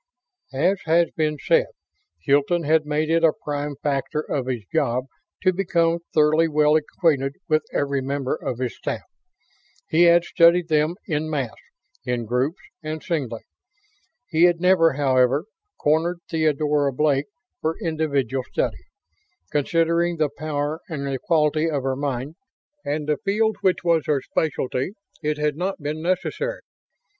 As has been said, Hilton had made it a prime factor of his job to become thoroughly well acquainted with every member of his staff. He had studied them en masse, in groups and singly. He had never, however, cornered Theodora Blake for individual study. Considering the power and the quality of her mind, and the field which was her specialty, it had not been necessary.